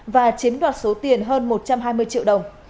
và chiếm đoạt số tiền hơn một trăm hai mươi triệu đồng